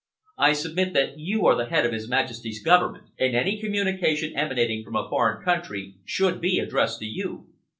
I submit that you are the head of His Majesty's Government, and any communication emanating from a foreign country should be addressed to you.